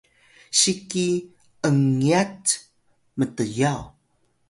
siki ’ngyat mtyaw